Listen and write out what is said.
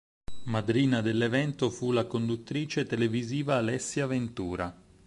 Madrina dell'evento fu la conduttrice televisiva Alessia Ventura.